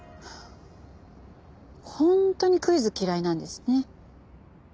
本当にクイズ嫌いなんですね。